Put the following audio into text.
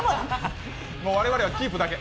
もう、我々はキープだけ。